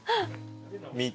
見て。